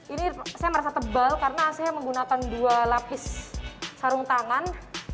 ini saya merasa tebal karena saya menggunakan dua lapis sarung tangan